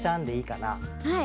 はい。